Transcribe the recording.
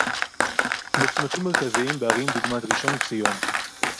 בצמתים מרכזיים, בערים דוגמת ראשון-לציון